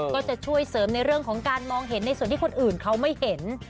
ก็จะช่วยเสริมในเรื่องของการมองเห็นในส่วนที่คนอื่นเขาไม่เห็น